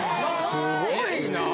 すごいな。